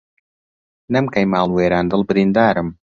نەم کەی ماڵ وێران دڵ بریندارم